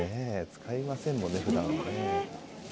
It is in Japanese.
使いませんもんね、ふだんね。